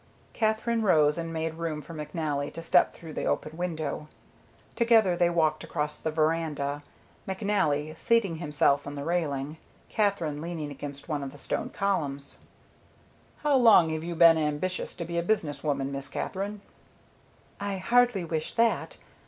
Katherine rose and made room for McNally to step through the open window. Together they walked across the veranda, McNally seating himself on the railing, Katherine leaning against one of the stone columns. "How long have you been ambitious to be a business woman, Miss Katherine?" "I hardly wish that.